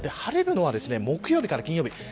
晴れるのは木曜日から金曜日。